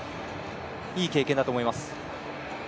いい経験だと思います。